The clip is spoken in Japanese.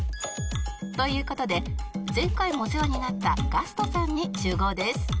という事で前回もお世話になったガストさんに集合です